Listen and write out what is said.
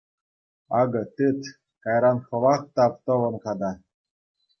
Акӑ, тыт, кайран хӑвах тав тӑвӑн-ха та.